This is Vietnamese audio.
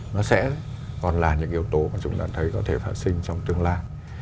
nó sẽ còn là những yếu tố mà chúng ta thấy có thể phát sinh trong tương lai